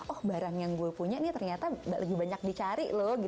oh barang yang gue punya nih ternyata gak lebih banyak dicari loh